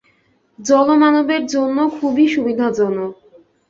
জলমানবের জন্য খুব সুবিধাজনক।